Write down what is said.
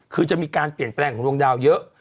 คือจะมีการเปลี่ยนแปลงของดวงดาวเยอะ